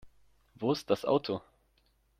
Wo ist das Auto?